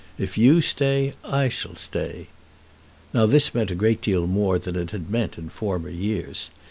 If you stay, I shall stay." Now this meant a great deal more than it had meant in former years.